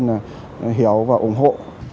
nhân dân hiểu và ủng hộ